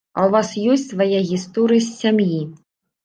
А ў вас ёсць свая гісторыя з сям'і?